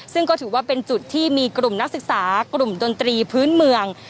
ซึ่งก็ถือว่าเป็นจุดที่มีกลุ่มนักศึกษากลุ่มดนตรีพื้นเมือง